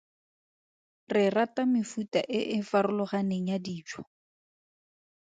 Re rata mefuta e e farologaneng ya dijo.